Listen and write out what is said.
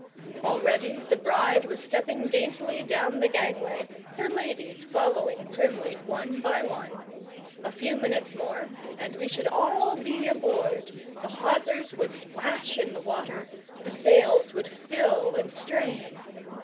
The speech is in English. Already the bride was stepping daintily down the gangway, her ladies following primly, one by one; a few minutes more and we should all be aboard, the hawsers would splash in the water, the sails would fill and strain.